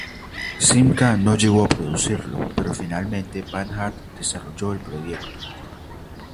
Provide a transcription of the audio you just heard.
Simca no llegó a producirlo, pero finalmente Panhard desarrolló el proyecto.